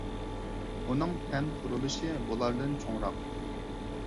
ئۇنىڭ تەن قۇرۇلۇشى بۇلاردىن چوڭراق.